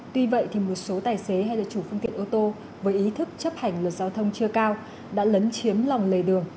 tuy vậy thì một số tài xế hay là chủ phương tiện ô tô với ý thức chấp hành luật giao thông chưa cao đã lấn chiếm lòng lề đường